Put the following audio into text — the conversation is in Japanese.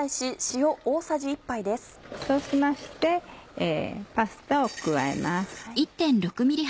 そうしましてパスタを加えます。